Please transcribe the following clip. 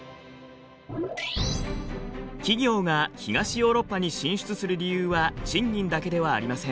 企業が東ヨーロッパに進出する理由は賃金だけではありません。